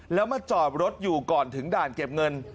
แล้วมาจอดรถอยู่ก่อนถึงด่านเก็บเงิน